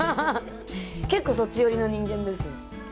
結構、そっち寄りの人間です。